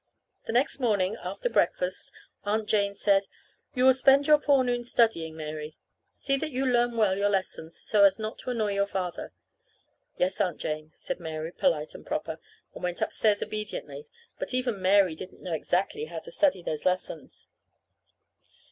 The next morning after breakfast Aunt Jane said: "You will spend your forenoon studying, Mary. See that you learn well your lessons, so as not to annoy your father." "Yes, Aunt Jane," said Mary, polite and proper, and went upstairs obediently; but even Mary didn't know exactly how to study those lessons.